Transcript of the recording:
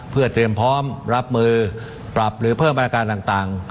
เพื่อเตรียมพร้อมรับมือปรับหรือเพิ่มมาตรการต่าง